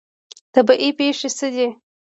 طبیعي پیښې څه دي؟